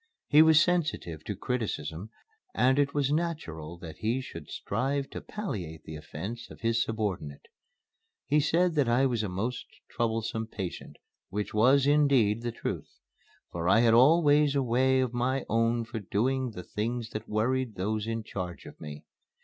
He was sensitive to criticism and it was natural that he should strive to palliate the offence of his subordinate. He said that I was a most troublesome patient, which was, indeed, the truth; for I had always a way of my own for doing the things that worried those in charge of me.